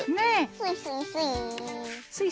スイスイスイー。